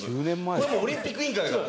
これはオリンピック委員会が。